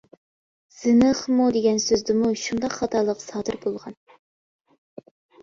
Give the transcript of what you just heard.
«زىنىخمۇ» دېگەن سۆزدىمۇ شۇنداق خاتالىق سادىر بولغان.